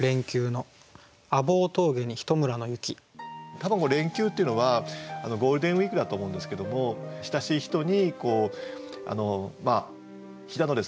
多分「連休」っていうのはゴールデンウイークだと思うんですけども親しい人に飛騨のですね